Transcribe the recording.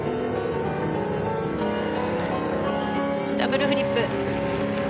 ダブルフリップ。